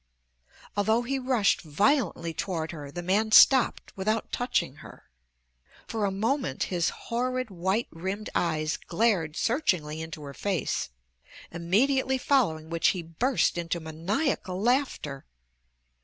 Although he rushed violently toward her the man stopped without touching her. For a moment his horrid white rimmed eyes glared searchingly into her face, immediately following which he burst into maniacal laughter.